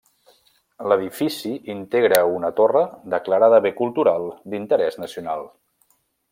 L'edifici integra una torre declarada bé cultural d'interès nacional.